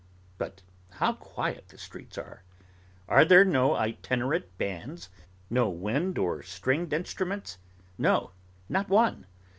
But how quiet the streets are! Are there no itinerant bands; no wind or stringed instruments? No, not one.